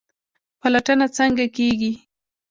پلټنه څنګه کیږي؟